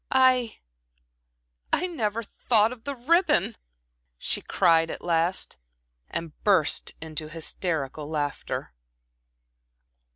"I I never thought of the ribbon," she cried at last, and burst into hysterical laughter.